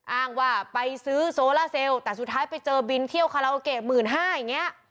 อ้างว่าไปซื้อโซล่าเซลแต่สุดท้ายไปเจอบินเที่ยวคาราโอเกะ๑๕๐๐อย่างนี้